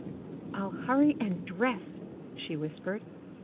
"ril hurry and dress," she whispered.